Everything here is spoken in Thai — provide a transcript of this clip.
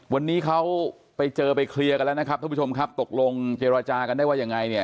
วันนี้เขาไปเจอไปเคลียร์กันแล้วนะครับท่านผู้ชมครับตกลงเจรจากันได้ว่ายังไงเนี่ย